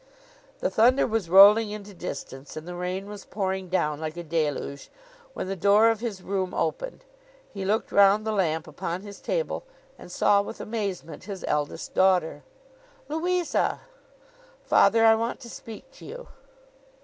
The thunder was rolling into distance, and the rain was pouring down like a deluge, when the door of his room opened. He looked round the lamp upon his table, and saw, with amazement, his eldest daughter. 'Louisa!' 'Father, I want to speak to you.